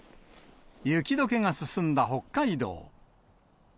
雪どけが進んだ北海道。